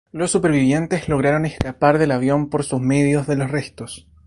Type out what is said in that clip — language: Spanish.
Los supervivientes lograron escapar del avión por sus medios de los restos.